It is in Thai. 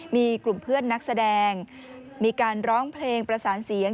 มีกลุ่มเพื่อนนักแสดงมีการร้องเพลงประสานเสียง